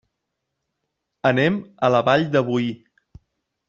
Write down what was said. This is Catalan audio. Anem a la Vall de Boí.